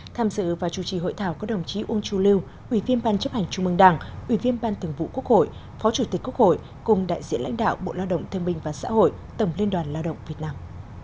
tham dự và chủ trì hội thảo có đồng chí uông chu lưu ủy viên ban chấp hành trung mương đảng ủy viên ban thường vụ quốc hội phó chủ tịch quốc hội cùng đại diện lãnh đạo bộ lao động thương minh và xã hội tổng liên đoàn lao động việt nam